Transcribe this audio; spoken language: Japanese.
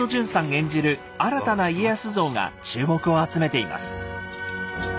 演じる新たな家康像が注目を集めています。